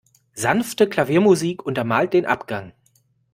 Sanfte Klaviermusik untermalt den Abgang.